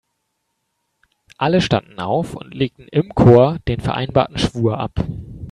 Alle standen auf und legten im Chor den vereinbarten Schwur ab.